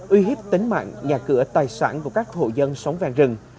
uy hiếp tính mạng nhà cửa tài sản của các hộ dân sống ven rừng